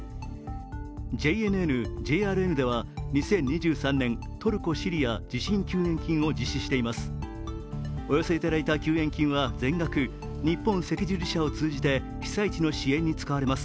ＪＮＮ・ＪＲＮでは２０２３年トルコ・シリア地震救援金を実施しています。